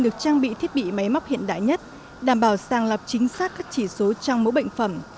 được trang bị thiết bị máy móc hiện đại nhất đảm bảo sàng lọc chính xác các chỉ số trong mẫu bệnh phẩm